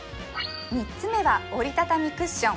三つ目は折り畳みクッション